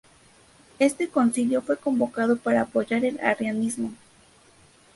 Este concilio fue convocado para apoyar el arrianismo.